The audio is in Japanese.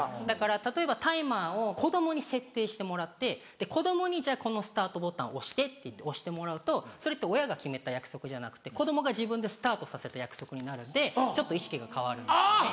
だから例えばタイマーを子供に設定してもらって子供に「このスタートボタン押して」って言って押してもらうとそれって親が決めた約束じゃなくて子供が自分でスタートさせた約束になるんでちょっと意識が変わるんですよね。